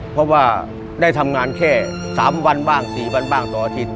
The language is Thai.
เพราะว่าได้ทำงานแค่๓วันบ้าง๔วันบ้างต่ออาทิตย